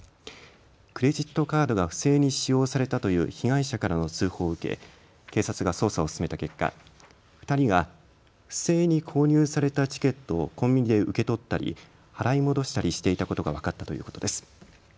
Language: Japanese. クレジットカードが不正に使用されたという被害者からの通報を受け警察が捜査を進めた結果、２人が不正に購入されたチケットをコンビニで受け取ったり払い戻したりしていたことが分かったということです。